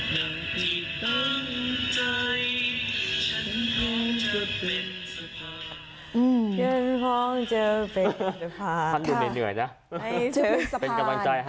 หลังที่ตั้งใจ